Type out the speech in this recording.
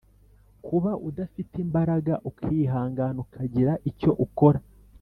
kuba udafite imbaraga ukihangana ukagira icyo ukora.